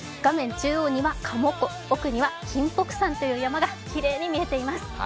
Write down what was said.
中央には加茂湖、奥には金北山という山が見えています。